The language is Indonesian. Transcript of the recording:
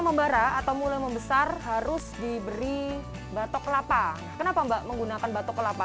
membara atau mulai membesar harus diberi batok kelapa kenapa mbak menggunakan batok kelapa